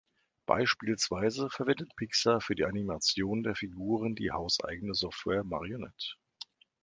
Beispielsweise verwendet Pixar für die Animation der Figuren die hauseigene Software Marionette.